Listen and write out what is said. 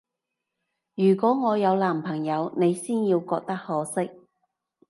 如果我有男朋友，你先要覺得可惜